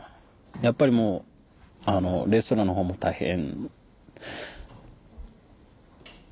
やっぱりもうレストランのほうも大変。